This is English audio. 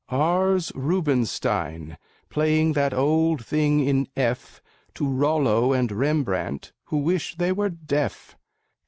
R's Rubenstein, playing that old thing in F To Rollo and Rembrandt, who wish they were deaf.